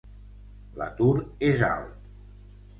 L'atur és alt.